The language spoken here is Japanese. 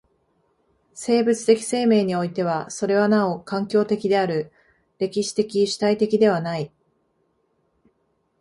生物的生命においてはそれはなお環境的である、歴史的主体的ではない。